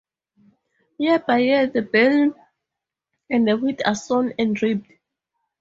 Year by year the barley and the wheat are sown and reaped.